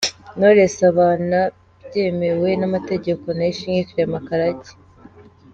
Knowless abana byemewe n'amategeko na Ishimwe Karake Clement .